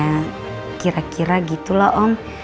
ya kira kira gitu lah om